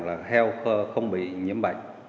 là heo không bị nhiễm bệnh